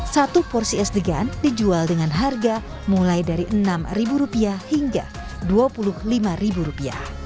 satu porsi es degan dijual dengan harga mulai dari enam ribu rupiah hingga dua puluh lima ribu rupiah